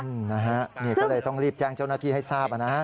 นะฮะนี่ก็เลยต้องรีบแจ้งเจ้าหน้าที่ให้ทราบนะฮะ